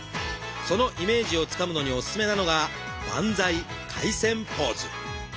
そのイメージをつかむのにおすすめなのが「バンザイ回旋ポーズ」。